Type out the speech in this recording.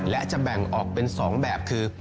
และจะแบ่งออกเป็น๒แบบคือ